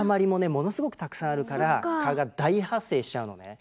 ものすごくたくさんあるから蚊が大発生しちゃうのね。